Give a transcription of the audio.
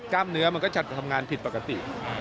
กล้ามเนื้อมันก็จะทำงานผิดปกติ